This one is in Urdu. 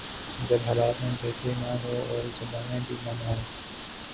جب حالات میں بہتری نہ ہو اور زبانیں بھی بند ہوں۔